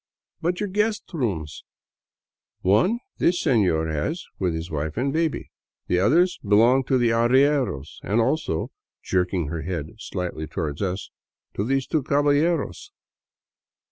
" But your guest rooms ?"" One this senor has with his wife and baby. The other belongs to the arrieros — and also," jerking her head slightly toward us, " to these two caballeros."